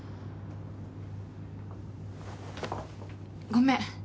ごめん。